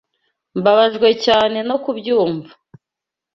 Mbabajwe cyane no kubyumva.